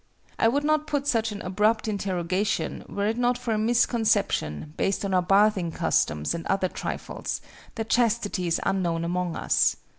I would not put such an abrupt interrogation, were it not for a misconception, based on our bathing customs and other trifles, that chastity is unknown among us.